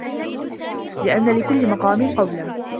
لِأَنَّ لِكُلِّ مَقَامٍ قَوْلًا